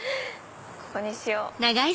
ここにしよう！